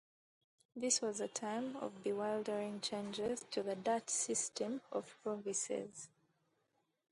This was a time of bewildering changes to the Dutch system of provinces.